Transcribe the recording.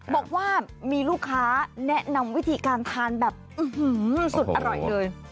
บอกว่ามีลูกค้าแนะนำวิธีการทานแบบสุดอร่อยเลย